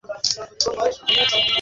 স্ত্রী নমুনার দর্শন মেলে অতি কদাচিৎ।